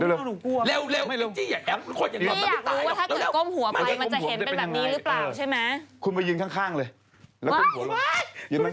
ไม่อยากรู้ว่าถ้าเกิดก้มหัวไป